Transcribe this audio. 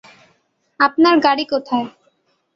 আপনার গাড়ি কোথায়?